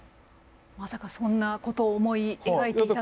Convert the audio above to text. まさかそんなことを思い描いていたとは。